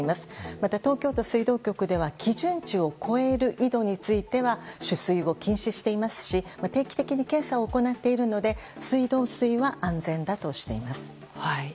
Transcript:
また、東京都水道局では基準値を超える井戸については取水を禁止していますし定期的に検査を行っているため水道水は安全だとしています。